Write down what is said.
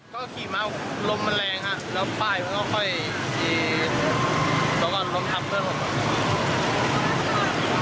ก็ขี่ค่ะลมมันแรงครับแล้วป้ายก็ค่อย